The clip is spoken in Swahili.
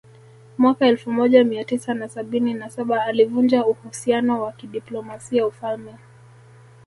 Mwaka elfu moja Mia tisa na sabini na saba alivunja uhusiano wa kidiplomasia Ufalme